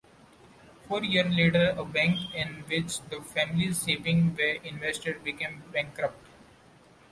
Four years later a bank in which the family's savings were invested became bankrupt.